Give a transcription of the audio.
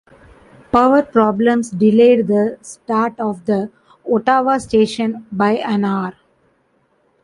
Power problems delayed the start of the Ottawa station by an hour.